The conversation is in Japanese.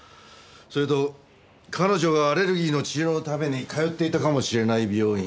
それと彼女がアレルギーの治療のために通っていたかもしれない病院